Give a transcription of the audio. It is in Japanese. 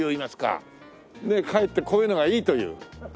かえってこういうのがいいという。